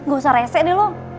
gak usah rese deh lo